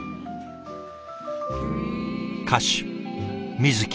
歌手水木